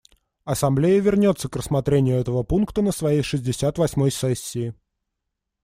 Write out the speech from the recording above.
Ассамблея вернется к рассмотрению этого пункта на своей шестьдесят восьмой сессии.